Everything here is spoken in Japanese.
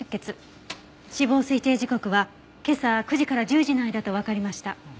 死亡推定時刻は今朝９時から１０時の間とわかりました。